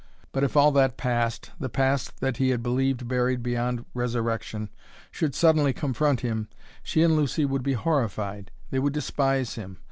But if all that past, the past that he had believed buried beyond resurrection, should suddenly confront him, she and Lucy would be horrified. They would despise him.